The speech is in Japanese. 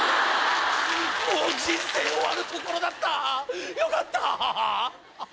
もう人生終わるところだったよかったぁあっ！